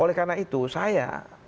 oleh karena itu saya